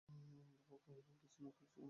অন্নদাবাবু কহিলেন, কিছু না, কিছু না।